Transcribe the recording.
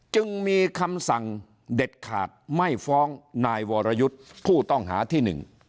จึงมีคำสั่งเด็ดขาดไม่ฟ้องนายวรยุทธ์ผู้ต้องหาที่หนึ่ง